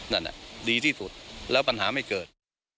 นั่นดีที่สุดแล้วปัญหาไม่เกิด